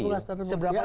itu puas dari mereka